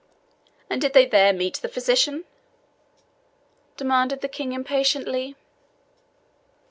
"And did they there meet the physician?" demanded the King impatiently.